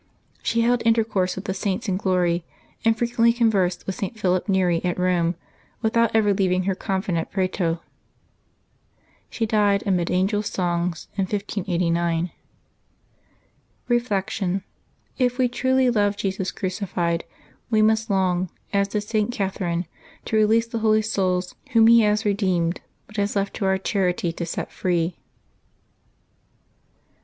She held intercourse with the Saints in glory, and frequently conversed with St. Philip I^eri at Rome without ever leaving her convent at Prato. She died, amid angels' songs, in 1589. Reflection. — If we truly love Jesus crucified, we must long, as did St. Catherine, to release the Holy Souls whom He has redeemed but has left to our charity to set free.